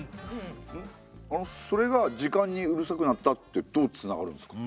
あのそれが時間にうるさくなったってどうつながるんですか？